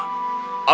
ambil sebuah kain